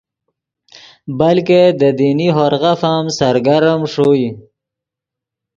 بلکہ دے دینی ہورغف ام سرگرم ݰوئے